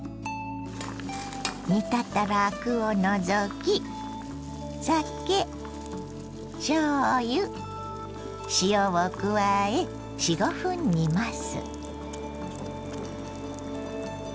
煮立ったらアクを除き酒しょうゆ塩を加え４５分煮ます。